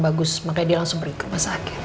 bagus maka dia langsung pergi ke rumah sakit